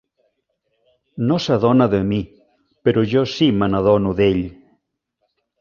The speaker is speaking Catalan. No s'adona de mi, però jo si me n'adono d'ell.